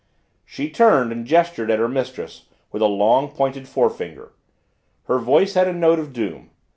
She turned and gestured at her mistress with a long, pointed forefinger. Her voice had a note of doom.